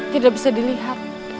tidak bisa dilihat